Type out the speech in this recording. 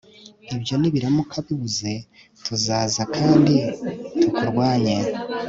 ibyo nibiramuka bibuze, tuzaza kandi tukurwanye